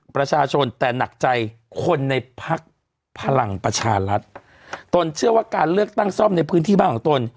ประชาชนแต่หนักใจคนในพักพลังประชารัฐตนเชื่อว่าการเลือกตั้งซ่อมในพื้นที่บ้านของตน